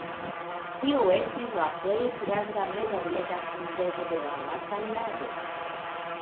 Tio estis la plej granda Mezorienta Kunveno de la lastaj jaroj.